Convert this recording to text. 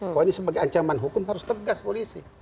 kok ini sebagai ancaman hukum harus tegas polisi